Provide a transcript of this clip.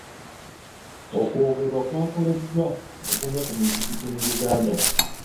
Okwogerwa kwakoleddwa mu gumu ku mizikiti mu Uganda.